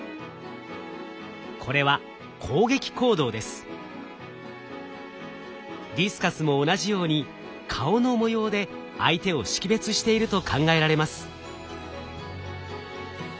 これはディスカスも同じように顔の模様で相手を識別していると考えられます。